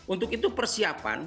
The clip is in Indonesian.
untuk itu persiapan